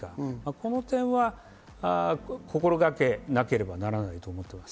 この点は心がけなければならないと思っています。